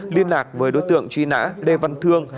liên lạc với đối tượng truy nã lê văn thương